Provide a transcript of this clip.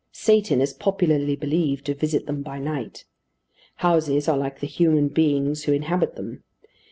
Satan is popularly believed to visit them by night. Houses are like the human beings who inhabit them.